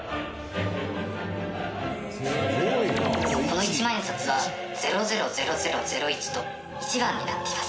この一万円札は「０００００１」と１番になっています。